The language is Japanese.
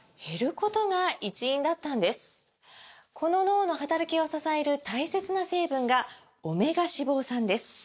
この脳の働きを支える大切な成分が「オメガ脂肪酸」です！